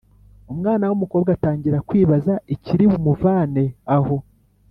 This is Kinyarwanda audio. umwana w’umukobwa atangira kwibaza ikiribumuvane aho.